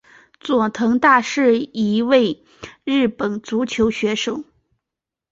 佐藤大是一位日本足球选手。